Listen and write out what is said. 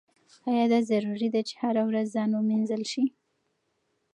ایا دا ضروري ده چې هره ورځ ځان مینځل شي؟